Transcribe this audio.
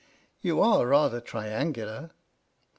"You are rather triangular."